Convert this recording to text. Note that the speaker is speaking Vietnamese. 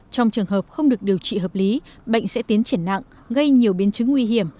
trong trường hợp không được điều trị hợp lý bệnh sẽ tiến triển nặng gây nhiều biến chứng nguy hiểm